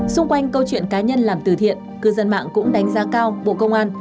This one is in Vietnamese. xung quanh câu chuyện cá nhân làm từ thiện cư dân mạng cũng đánh giá cao bộ công an